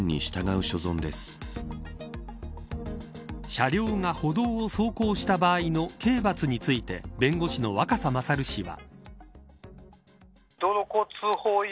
車両が歩道を走行した場合の刑罰について弁護士の若狭勝氏は。